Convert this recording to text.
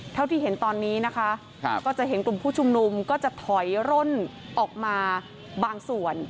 เท่าที่เห็นตอนนี้นะคะก็จะเห็นกลุ่มผู้ชุมนุมก็จะถอยร่นออกมาบางส่วน